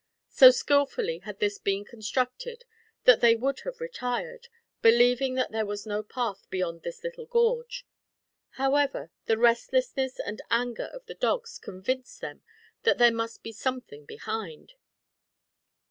So skilfully had this been constructed that they would have retired, believing that there was no path beyond this little gorge; however, the restlessness and anger of the dogs convinced them that there must be something behind.